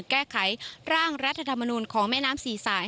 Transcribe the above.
แก้ไขร่างรัฐธรรมนูลของแม่น้ำสี่สาย